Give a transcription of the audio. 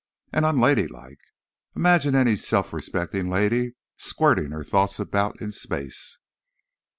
And unladylike. Imagine any self respecting lady 'squirting' her thoughts about in space!"